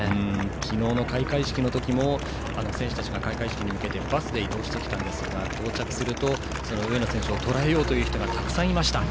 昨日の開会式の時も選手たちが開会式に向けてバスで移動してきましたが到着すると、上野選手をとらえようという人がたくさんいました。